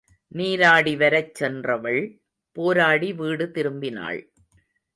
நீராடி வரச் சென்றவள் போராடி வீடு திரும்பினாள்.